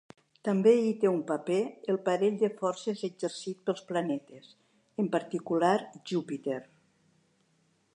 També hi té un paper el parell de forces exercit pels planetes, en particular Júpiter.